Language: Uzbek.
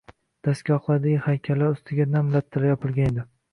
dastgohlardagi haykallar ustiga nam lattalar yopilgan edi.